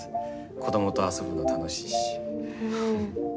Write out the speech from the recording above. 子どもと遊ぶの楽しいし。